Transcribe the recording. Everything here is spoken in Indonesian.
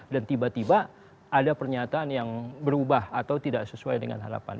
dan tiba tiba ada pernyataan yang berubah atau tidak sesuai dengan harapan